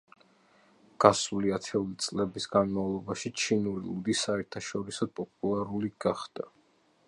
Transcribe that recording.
გასული ათეული წლების განმავლობაში ჩინური ლუდი საერთაშორისოდ პოპულარული გახდა.